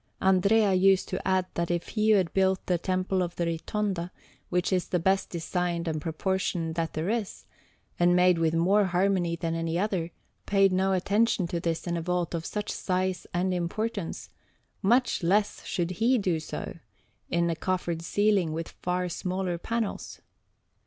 Andrea used to add that if he who built the Temple of the Ritonda, which is the best designed and proportioned that there is, and made with more harmony than any other, paid no attention to this in a vault of such size and importance, much less should he do so in a coffered ceiling with far smaller panels.